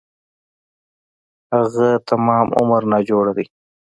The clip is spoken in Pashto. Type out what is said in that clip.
اگه تمام عمر ناجوړه دی.